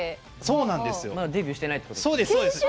デビューしてないってことですか？